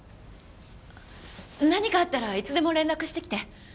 何かあったらいつでも連絡してきて。